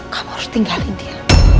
kamu harus tinggalin dia